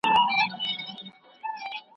د تعلیم اړتیا باید په ټولو کلتورونو کي لوړي شي.